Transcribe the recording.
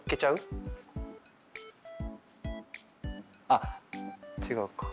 あっ違うか。